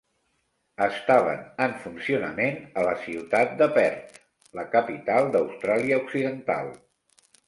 Estaven en funcionament a la ciutat de Perth, la capital d'Austràlia Occidental.